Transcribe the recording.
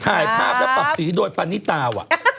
ค่ะถ้าข้างตัวปับสีโดยปณิตาเหรอ